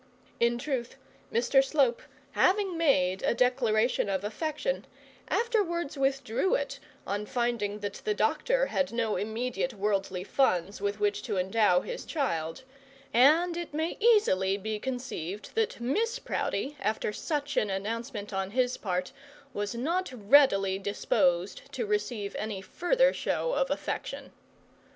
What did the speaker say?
In truth, Mr Slope, having made a declaration of affection, afterwards withdrew it on finding that the doctor had no immediate worldly funds with which to endow his child; and it may easily be conceived that Miss Proudie, after such an announcement on his part, was not readily disposed to receive any further show of affection.